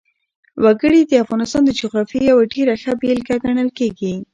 وګړي د افغانستان د جغرافیې یوه ډېره ښه بېلګه ګڼل کېږي.